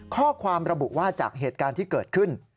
ข้อความระบุว่าจากเหตุการณ์ที่เกิดขึ้น